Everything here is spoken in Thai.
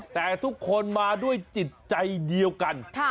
แต่ทุกคนมาด้วยจิตใจเดียวกัน